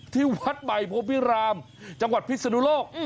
ที่วัดใหม่โพพิรามจังหวัดพิศนุโลก